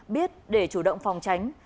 biết để chủ động phòng tránh